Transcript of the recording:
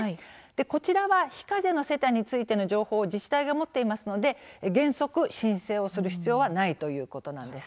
こちらは非課税の世帯についての情報を自治体が持っていますので原則、申請をする必要はないということなんです。